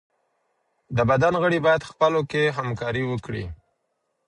د بدن غړي بايد خپلو کي همکاري وکړي.